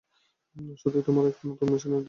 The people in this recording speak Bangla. সত্যিই তোমার একটা নতুন মেশিনের দরকার।